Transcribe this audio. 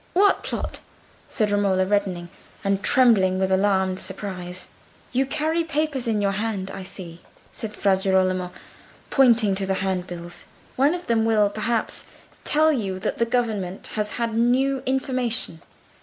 "What plot?" said Romola, reddening, and trembling with alarmed surprise. "You carry papers in your hand, I see," said Fra Girolamo, pointing to the handbills. "One of them will, perhaps, tell you that the government has had new information."